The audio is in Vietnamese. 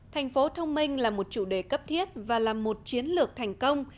thành phố thông minh là một chủ đề cấp thiết và là một chiến lược thành công